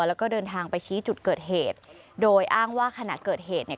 แล้วก็เดินทางไปชี้จุดเกิดเหตุโดยอ้างว่าขณะเกิดเหตุเนี่ย